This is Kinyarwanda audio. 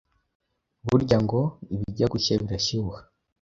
Burya ngo ibijya gushya birashyuha,